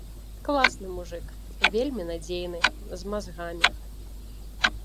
Класны мужык, вельмі надзейны, з мазгамі.